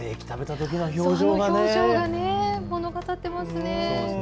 あの表情がね、物語ってますね。